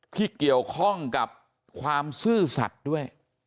ที่เกี่ยวข้องกับความซื่อสัตว์ด้วย